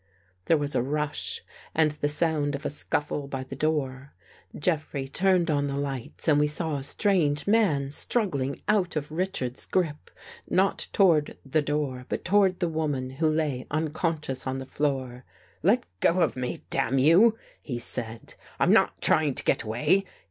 There was a rush and the sound df a scuffle by the door. Jeffrey turned on the lights, and we saw a strange man struggling out of Richards's grip, not toward the door but toward the woman who lay un conscious on the floor. " Let go of me, damn you," he said. " I'm not trying to get away.